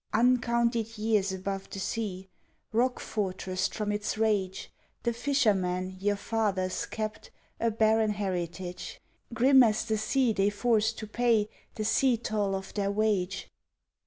Uncounted years above the sea, Rock fortressed from its rage, The fishermen, your fathers, kept A barren heritage Grim as the sea they forced to pay The sea toll of their wage.